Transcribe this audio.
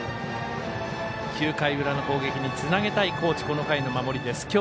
９回裏の攻撃につなげたい高知、この回の守りです。